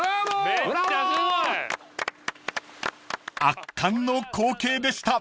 ［圧巻の光景でした］